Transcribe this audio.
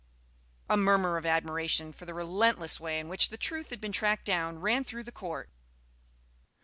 A murmur of admiration for the relentless way in which the truth had been tracked down ran through the Court.